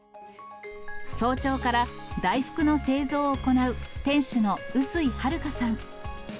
早朝から、大福の製造を行う、店主の薄井華香さん。